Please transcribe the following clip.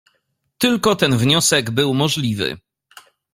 "Tylko ten wniosek był możliwy."